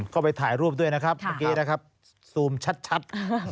เข้าไปถ่ายรูปด้วยนะครับสูมชัด